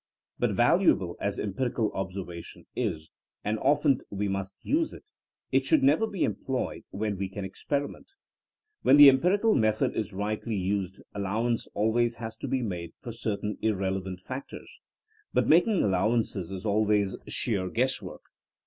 But valuable as empirical observation is, and often as we must use it, it should never be em ployed when we can experiment. When the em pirical method is rightly used allowance always has to be made for certain irrelevant factors. But making allowances*^ is always sheer guess work.